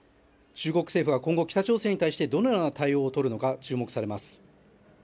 中国政府は今後、北朝鮮に対してどのような対応を取るのか注目されます。